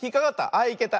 あっいけた。